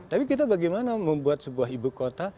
tapi kita bagaimana membuat sebuah ibu kota